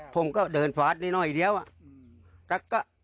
ผมก็เดินฟัทได้อีกเดี๋ยวละ